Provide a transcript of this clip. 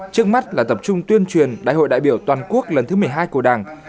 trước mắt là tập trung tuyên truyền đại hội đại biểu toàn quốc lần thứ một mươi hai của đảng